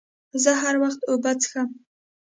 زه هر وخت اوبه څښم.